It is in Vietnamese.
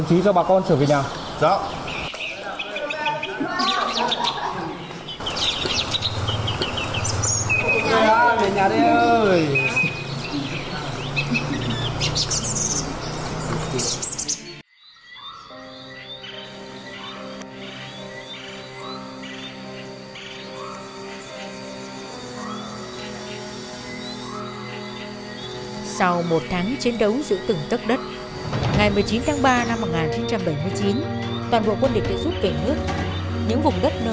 thưa bà con chúng tôi được phụ trách bởi bà đào thị nhìn